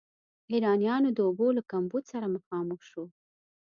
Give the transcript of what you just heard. ایرانیانو د اوبو له کمبود سره مخامخ شو.